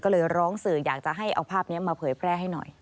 ก็เลยร้องสื่ออยากจะให้เอาภาพนี้มาเผยแพร่ให้หน่อย